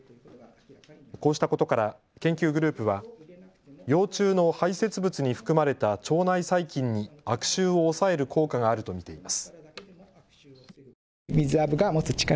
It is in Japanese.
こうしたことから研究グループは幼虫の排せつ物に含まれた腸内細菌に悪臭を抑える効果があると見ています。